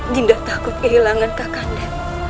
dinda takut kehilangan kak kanda